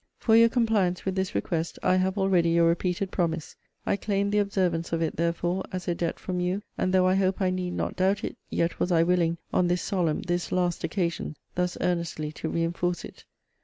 For your compliance with this request I have already your repeated promise. I claim the observance of it, therefore, as a debt from you: and though I hope I need not doubt it, yet was I willing, on this solemn, this last occasion, thus earnestly to re inforce it.